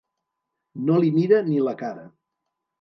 No li mira ni la cara.